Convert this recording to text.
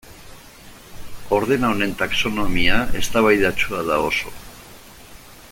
Ordena honen taxonomia eztabaidatsua da oso.